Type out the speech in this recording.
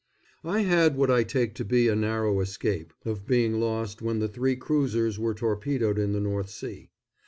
] I had what I take to be a narrow escape of being lost when the three cruisers were torpedoed in the North Sea.